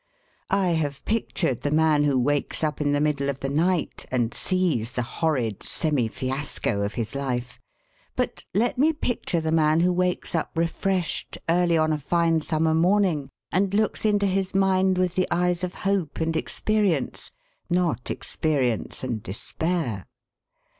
I have pictured the man who wakes up in the middle of the night and sees the horrid semi fiasco of his life. But let me picture the man who wakes up refreshed early on a fine summer morning and looks into his mind with the eyes of hope and experience, not experience and despair.